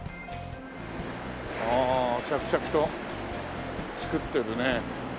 ああ着々と造ってるね。